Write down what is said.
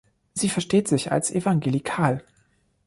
Sie versteht sich als evangelikal.